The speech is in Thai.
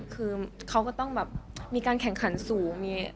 คือผมก็ต้องมีการแข่งขันสูง